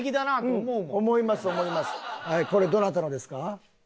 これどなたのですか？